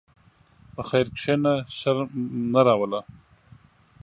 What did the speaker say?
په خیر کښېنه، شر نه راوله.